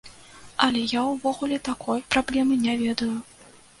Але я ўвогуле такой праблемы не ведаю.